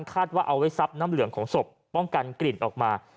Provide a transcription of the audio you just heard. คาดว่าเอาไว้ซับน้ำเหลืองของศพป้องกันกลิ่นออกมา